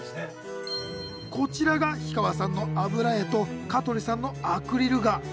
こちらが氷川さんの油絵と香取さんのアクリル画。